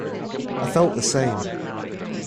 I felt the same.